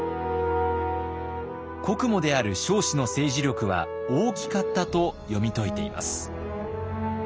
国母である彰子の政治力は大きかったと読み解いています。